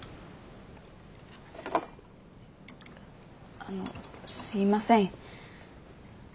あのすいません。